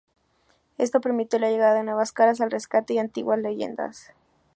Esto permitió la llegada de nuevas caras y el rescate de antiguas leyendas.